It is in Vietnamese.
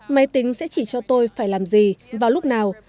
máy tính sẽ chỉ cho tôi phải làm gì vào lúc nào